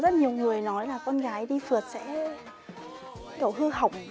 có rất nhiều người nói là con gái đi phượt sẽ kiểu hư hỏng